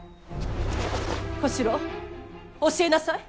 小四郎教えなさい。